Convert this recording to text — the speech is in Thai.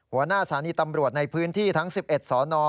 หัวหน้าสถานีตำรวจในพื้นที่ทั้ง๑๑สน